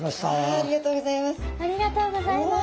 ありがとうございます。